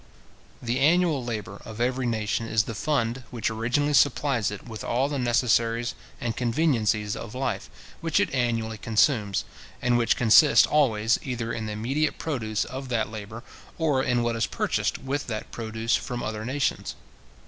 The annual labour of every nation is the fund which originally supplies it with all the necessaries and conveniencies of life which it annually consumes, and which consist always either in the immediate produce of that labour, or in what is purchased with that produce from other nations.